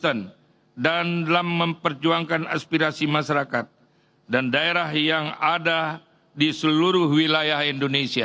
terkait hal itu semua dpri sebagai representasi daerah akan konsisten dan dalam memperjuangkan aspirasi masyarakat dan daerah yang ada di seluruh wilayah indonesia